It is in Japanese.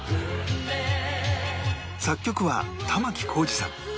作曲は玉置浩二さん